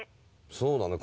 そうだね。